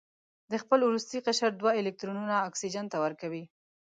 د خپل وروستي قشر دوه الکترونونه اکسیجن ته ورکوي.